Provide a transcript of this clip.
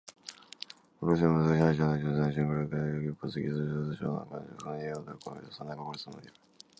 ロール処理も難しい配置なので純粋なシングル力が要求される。一方、技術要素は他の超難関の譜面に比べやや劣り、個人差では難関クラスとも言える。